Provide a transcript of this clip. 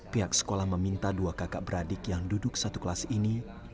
pihak sekolah meminta dua kakak beradik yang duduk satu kelas ini